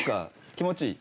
気持ちいい？